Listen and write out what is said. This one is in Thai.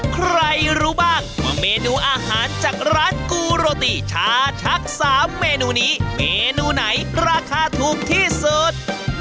ใครรู้บ้างว่าเมนูอาหารจากร้านกูโรตีชาชัก๓เมนูนี้เมนูไหนราคาถูกที่สุด